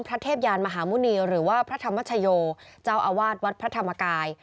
เทพยานมหาหมุณีหรือว่าพระธรรมชโยเจ้าอาวาสวัดพระธรรมกาย